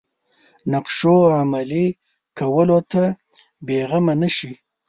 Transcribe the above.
نقشو عملي کولو ته بېغمه نه شي.